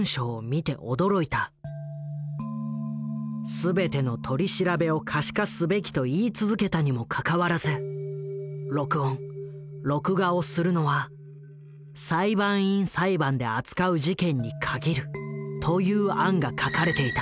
全ての取り調べを可視化すべきと言い続けたにもかかわらず録音録画をするのは裁判員裁判で扱う事件に限るという案が書かれていた。